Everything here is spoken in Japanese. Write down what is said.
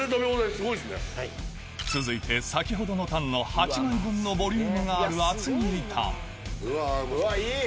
続いて先ほどのタンの８枚分のボリュームがあるうわっいい！